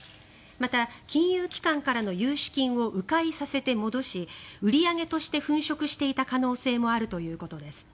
また、金融機関からの融資金を迂回させて戻し売り上げとして粉飾していた可能性もあるということです。